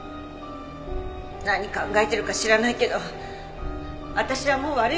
何考えてるか知らないけど私はもう悪い事はしない。